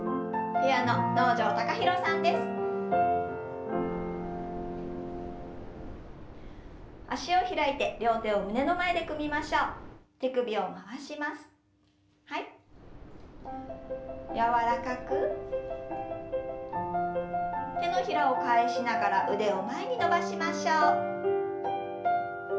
手のひらを返しながら腕を前に伸ばしましょう。